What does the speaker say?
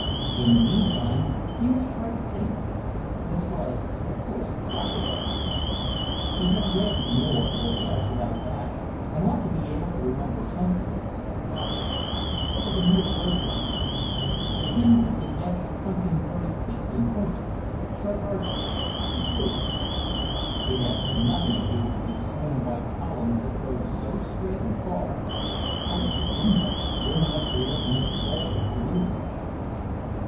In the meantime, he must try to think: This was, of course, Gothic architecture; he had read more or less about that, and ought to be able to remember something. Gothic... that was a mere word; to him it suggested something very peaked and pointed, sharp arches, steep roofs. It had nothing to do with these slim white columns that rose so straight and far, or with the window, burning up there in its vault of gloom....